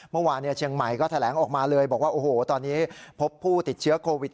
เมื่อวานเชียงใหม่ก็แถลงออกมาเลยบอกว่าโอ้โหตอนนี้พบผู้ติดเชื้อโควิด